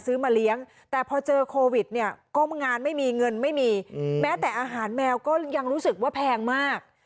มาเลี้ยงแต่พอเจอโควิดเนี่ยก็งานไม่มีเงินไม่มีแม้แต่อาหารแมวก็ยังรู้สึกว่าแพงมาก